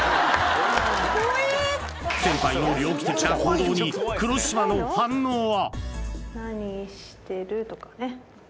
先輩の猟奇的な行動に黒島の反応は？